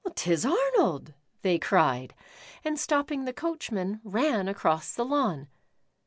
" 'T is Arnold," they cried, and stopping the coachman, ran across the lawn.